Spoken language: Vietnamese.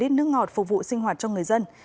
bốn mươi lít nước ngọt phục vụ sinh hoạt cho người dân